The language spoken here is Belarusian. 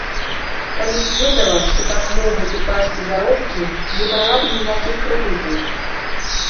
Калі б ведала, што так могуць упасці заробкі, не брала б ніякіх крэдытаў!